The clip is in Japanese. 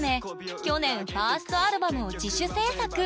去年ファーストアルバムを自主制作。